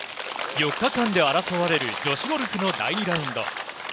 ４日間で争われる女子ゴルフの第２ラウンド。